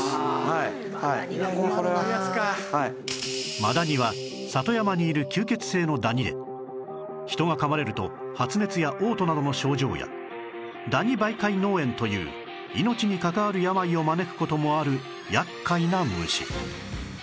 マダニは里山にいる吸血性のダニで人が噛まれると発熱や嘔吐などの症状やダニ媒介脳炎という命に関わる病を招く事もある厄介な虫